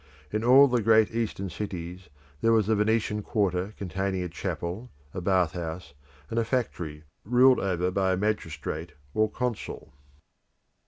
In all the great Eastern cities, there was a Venetian quarter containing a chapel, a bath house, and a factory ruled over by a magistrate or consul.